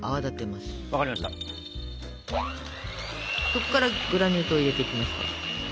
そっからグラニュー糖入れていきますから。